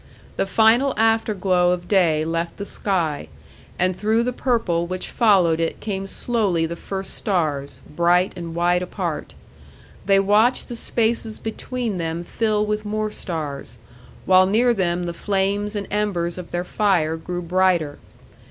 The final after glow of day left the sky, and through the purple which followed it came slowly the first stars, bright and wide apart. They watched the spaces between them fill with more stars, while near them the flames and embers of their fire grew brighter.